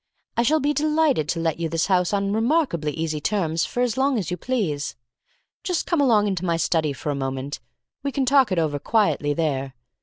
I shall be delighted to let you this house on remarkably easy terms for as long as you please. Just come along into my study for a moment. We can talk it over quietly there.